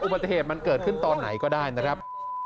ปฏิเหตุมันเกิดขึ้นตอนไหนก็ได้นะครับ